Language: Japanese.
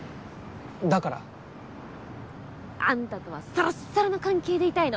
だから？あんたとはサラッサラな関係でいたいの。